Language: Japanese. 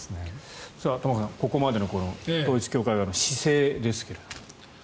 玉川さん、ここまでの統一教会側の姿勢ですが。